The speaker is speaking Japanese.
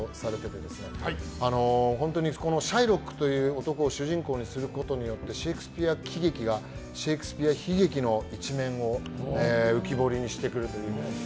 シャイロックという男を主人公にすることでシェイクスピア喜劇がシェイクスピア悲劇の一面を浮き彫りにしてくれるという。